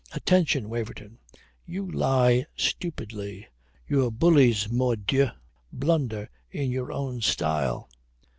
Attention, Waverton! You lie stupidly. Your bullies, mordieu, blunder in your own style.